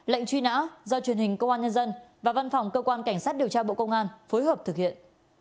lệnh truy nã do truyền hình công an nhân dân và văn phòng cơ quan cảnh sát điều tra bộ công an phối hợp thực hiện